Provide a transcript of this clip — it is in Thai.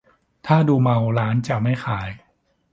ถ้าดูเมาร้านจะไม่ขาย